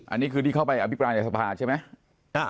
อันนี้คือที่เข้าไปอภิปรายในสภาใช่ไหม